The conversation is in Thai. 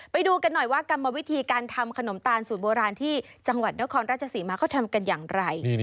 ไปดูกันหน่อยว่ากรรมวิธีการทำขนมตาลสูตรโบราณที่จังหวัดนครราชศรีมาเขาทำกันอย่างไร